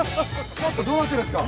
ちょっとどうなってるんですか。